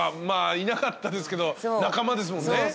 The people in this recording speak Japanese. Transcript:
まあいなかったですけど仲間ですもんね。